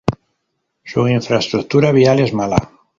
Su infraestructura vial es mala.